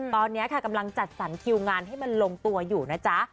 ตอนนี้ค่ะกำลังจัดสรรคิวงานให้มันลงตัวอยู่นะจ๊ะ